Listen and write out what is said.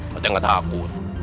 pak rt nggak takut